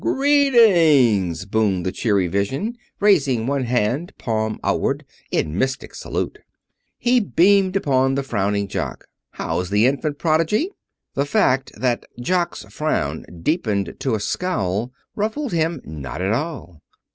"Greetings!" boomed this cheery vision, raising one hand, palm outward, in mystic salute. He beamed upon the frowning Jock. "How's the infant prodigy!" The fact that Jock's frown deepened to a scowl ruffled him not at all.